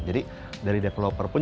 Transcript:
jadi dari developer pun